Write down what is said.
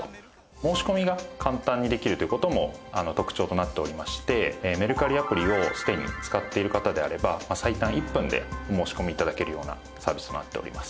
申し込みが簡単にできるという事も特長となっておりましてメルカリアプリをすでに使っている方であれば最短１分でお申し込み頂けるようなサービスとなっております。